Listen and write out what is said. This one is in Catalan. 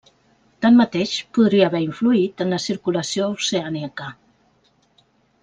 Tanmateix, podria haver influït en la circulació oceànica.